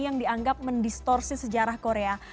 yang dianggap mendistorsi sejarah korea